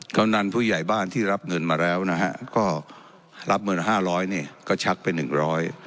กำนันผู้ใหญ่บ้านที่รับเงินมาแล้วนะฮะก็รับเงินห้าร้อยเนี่ยก็ชักไปหนึ่งร้อย